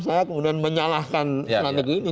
saya kemudian menyalahkan strategi ini